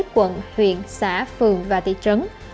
quận huyện xã phường và tỉ trấn